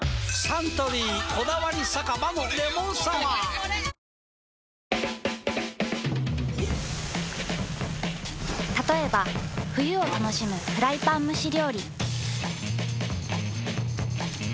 サントリー「こだわり酒場のレモンサワー」たとえば冬を楽しむフライパン蒸し料理。